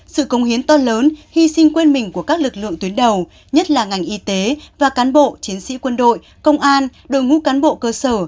sự công hiến to lớn hy sinh quên mình của các lực lượng tuyến đầu nhất là ngành y tế và cán bộ chiến sĩ quân đội công an đội ngũ cán bộ cơ sở